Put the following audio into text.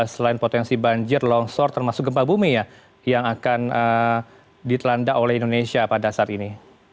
selain potensi banjir longsor termasuk gempa bumi ya yang akan ditelanda oleh indonesia pada saat ini